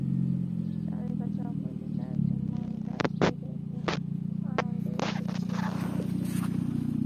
তাদের কাছে অপরিচিত একজন মানুষ আসতে দেখে আনন্দে একটু ছেদ পড়ল।